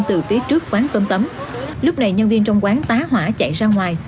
từ phía trước quán tôm tấm lúc này nhân viên trong quán tá hỏa chạy ra ngoài